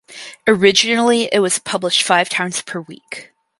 Originally it was published five times per week.